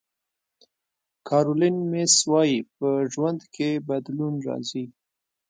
کارولین میس وایي په ژوند کې بدلون راځي.